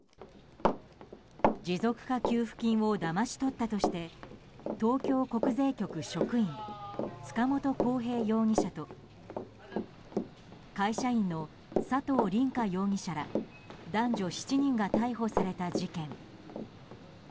持続化給付金をだまし取ったとして東京国税局職員塚本晃平容疑者と会社員の佐藤凛果容疑者ら男女７人が逮捕された事件。